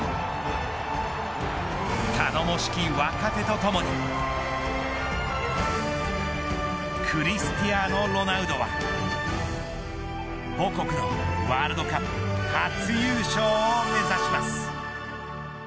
頼もしき若手とともにクリスティアーノ・ロナウドは母国、ワールドカップ初優勝を目指します。